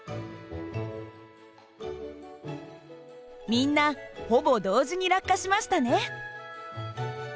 みんなほぼ同時に落下しましたね。